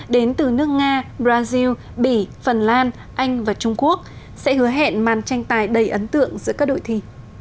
đến từ nước nga brazil bỉ phần lan anh và trung quốc sẽ hứa hẹn màn tranh tài đầy ấn tượng giữa các đội thi